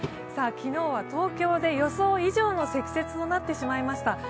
昨日は東京で予想以上の積雪となってしまいました。